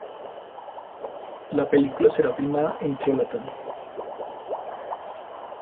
La película será filmada en Trollhättan.